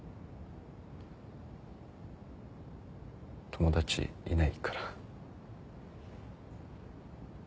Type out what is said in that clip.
友達いないから。